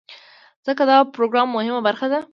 ځکه دا د پروګرام مهمه برخه ده.